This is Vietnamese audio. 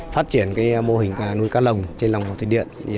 phát triển mô hình nuôi cá lồng trên lòng hồ thủy điện